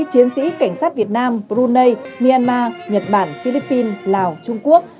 chiến sĩ cảnh sát việt nam brunei myanmar nhật bản philippines lào trung quốc